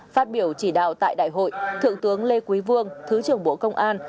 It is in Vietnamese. phát biểu chỉ đạo tại đại hội thượng tướng lê quý vương thứ trưởng bộ công an